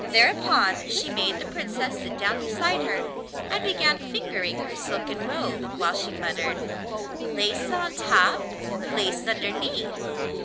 Thereupon she made the Princess sit down beside her, and began fingering her silken robe, while she muttered 'Lace on top, lace underneath!